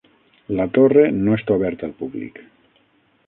La torre no està oberta al públic.